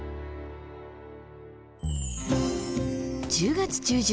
１０月中旬